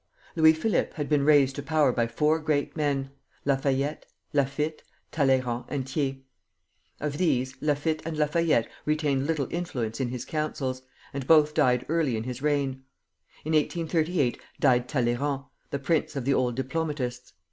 Louis Philippe had been raised to power by four great men, Lafayette, Laffitte, Talleyrand, and Thiers. Of these, Laffitte and Lafayette retained little influence in his councils, and both died early in his reign. In 1838 died Talleyrand, the prince of the old diplomatists.